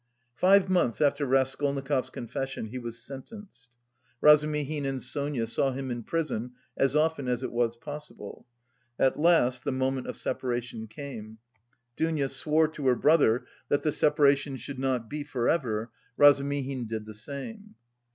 Five months after Raskolnikov's confession, he was sentenced. Razumihin and Sonia saw him in prison as often as it was possible. At last the moment of separation came. Dounia swore to her brother that the separation should not be for ever, Razumihin did the same.